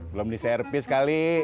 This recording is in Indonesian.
belum diservis kali